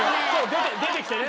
出てきてね。